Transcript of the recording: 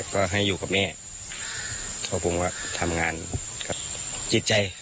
ก็กลัวว่าจะมีปัญหาอะไรอย่างนี้ครับ